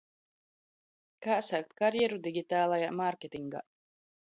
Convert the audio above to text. Kā sākt karjeru digitālajā mārketingā?